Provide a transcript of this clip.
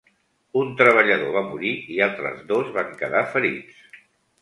Un treballador va morir i altres dos van quedar ferits.